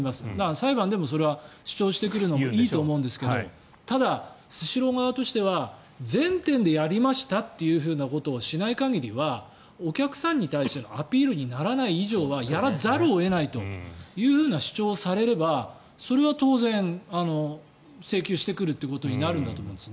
裁判でもそれは主張してくるのはいいと思うんですがただ、スシロー側としては全店でやりましたというふうなことをしない限りはお客さんに対してのアピールにならない以上はやらざるを得ないという主張をされればそれは当然、請求してくるということになるんだと思います。